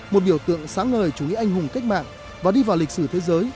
một biểu tượng sáng ngời chủ nghĩa anh hùng cách mạng và đi vào lịch sử thế giới